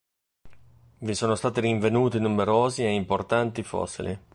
Vi sono stati rinvenuti numerosi e importanti fossili.